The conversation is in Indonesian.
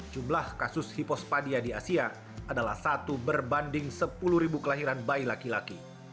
jumlah kasus hipospadia di asia adalah satu berbanding sepuluh kelahiran bayi laki laki